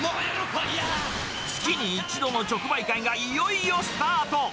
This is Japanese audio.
月に一度の直売会がいよいよスタート。